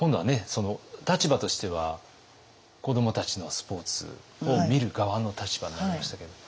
その立場としては子どもたちのスポーツを見る側の立場になりましたけれども。